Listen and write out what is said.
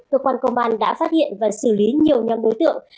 cơ quan công an đã phát hiện và xử lý nhiều nhóm đối tượng